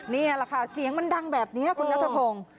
นี่แหละค่ะเสียงมันดังแบบนี้คุณนัทพงศ์